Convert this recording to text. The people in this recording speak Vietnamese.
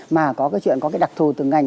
mà có cái chuyện có cái đặc thù từng ngành